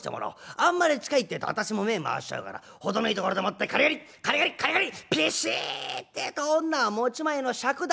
あんまり近いってえと私も目ぇ回しちゃうから程のいいところでもってカリカリッカリカリッカリカリッピシッてえと女は持ち前の癪だ。